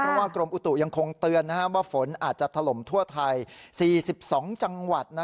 เพราะว่ากรมอุตุยังคงเตือนว่าฝนอาจจะถล่มทั่วไทย๔๒จังหวัด